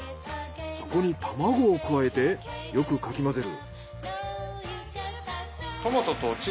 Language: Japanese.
そこに卵を加えてよくかき混ぜる。